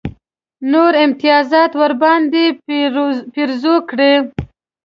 نور امتیازات ورباندې پېرزو کړي.